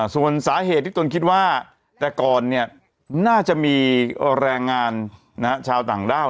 ส่วนสาเหตุที่ตนคิดว่าแต่ก่อนเนี่ยน่าจะมีแรงงานชาวต่างด้าว